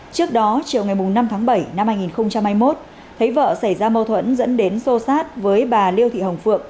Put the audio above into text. trước đó chiều ngày năm tháng bảy năm hai nghìn hai mươi một thấy vợ xảy ra mâu thuẫn dẫn đến sô sát với bà liêu thị hồng phượng